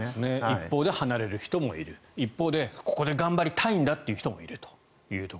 一方で離れる人もいる一方でここで頑張りたいと思う人もいると。